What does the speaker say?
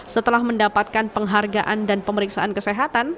setelah mendapatkan penghargaan dan pemeriksaan kesehatan